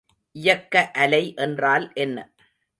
இயக்க அலை என்றால் என்ன?